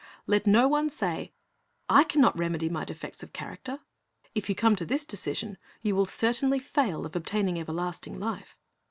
Let no one say, I can not remedy my defects of character. If you come to this decision, you will certainly fail of obtaining everlasting life.